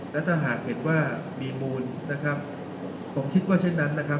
และถ้าหากเห็นว่ามีมูลนะครับผมคิดว่าเช่นนั้นนะครับ